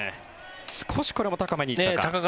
少しこれも高めに行ったか。